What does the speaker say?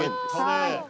はい。